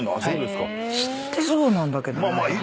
知ってそうなんだけどな。